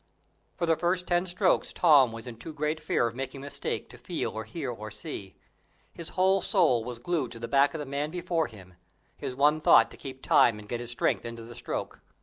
For the first ten strokes Tom was in too great fear of making a mistake to feel or hear or see. His whole soul was glued to the back of the man before him, his one thought to keep time and get his strength into the stroke.